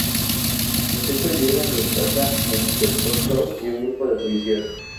Tras esto llegan a la casa el inspector Trout y un grupo de policías.